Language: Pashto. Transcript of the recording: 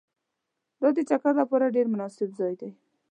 دا د چکر لپاره ډېر مناسب ځای دی